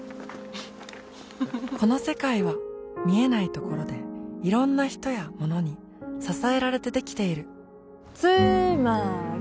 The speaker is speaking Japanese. この世界は見えないところでいろんな人やものに支えられてできているつーまーり！